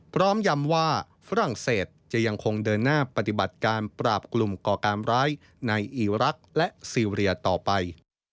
ยำว่าฝรั่งเศสจะยังคงเดินหน้าปฏิบัติการปราบกลุ่มก่อการร้ายในอีรักษ์และซีเรียต่อไป